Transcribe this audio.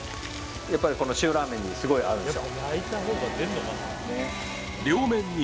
やっぱりこの塩らーめんにすごい合うんですよ